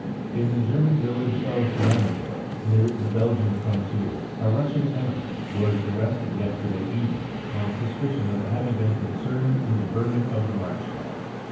— In the German frontier village of Lammer dorf, near the Belgian frontier, a Russian emigrant was '* arrested yesterday evening on suspicion of having been concerned in the burning of the Reichstag.